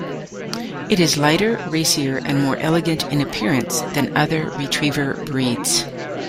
It is lighter, racier, and more elegant in appearance than the other retriever breeds.